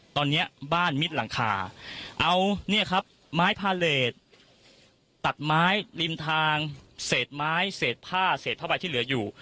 ตอนนี้บ้านมิดหลังคาเอาเนี่ยครับไม้พาเลสตัดไม้ริมทางเศษไม้เศษผ้าเศษผ้าใบที่เหลืออยู่